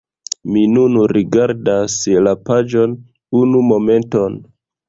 Mi nun rigardas la paĝon unu momenton